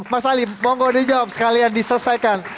mas ali mau gak dijawab sekalian diselesaikan